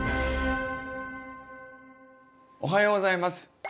おはようございます。